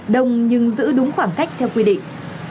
đông nhưng giữ đúng khoảng cách theo quy định